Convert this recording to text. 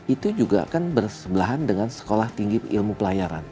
itu juga akan bersebelahan dengan sekolah tinggi ilmu pelayaran